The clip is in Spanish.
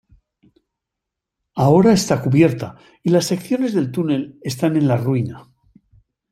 Ahora está cubierta, y las secciones del túnel están en la ruina.